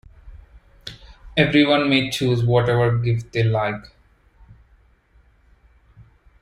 Everyone may choose whatever gift they like.